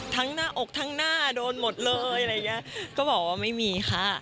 หน้าอกทั้งหน้าโดนหมดเลยอะไรอย่างเงี้ยก็บอกว่าไม่มีค่ะ